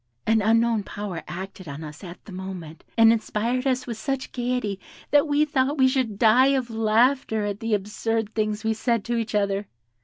An unknown power acted on us at the moment, and inspired us with such gaiety that we thought we should die of laughter at the absurd things we said to each other.